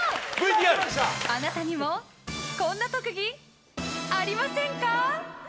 あなたにも、こんな特技ありませんか？